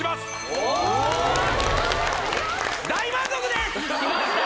おっ大満足です！